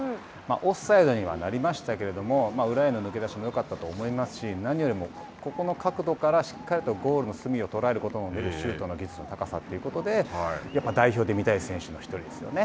オフサイドにはなりましたけれども、裏への抜け出しもよかったと思いますし、何よりもここの角度からしっかりとゴールの隅を捉えることのできるシュートの技術の高さということで、やっぱり代表で見たい選手の１人ですよね。